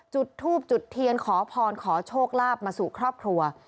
จุดทูบจุดเทียนขอพรขอโชคลาภมาสู่ครอบครัว